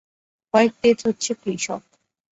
White death হচ্ছে কৃষক।